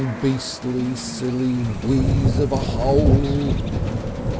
Beastly Silly Wheeze of a Hole!"